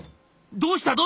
どうした？